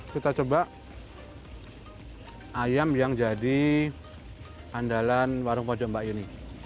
kita coba ayam yang jadi andalan warung kocomba ini